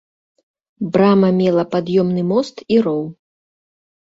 Брама мела пад'ёмны мост і роў.